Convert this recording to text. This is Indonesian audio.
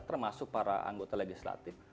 termasuk para anggota legislatif